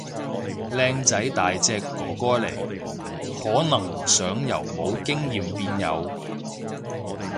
靚仔大隻哥哥嚟，可能想由冇經驗變有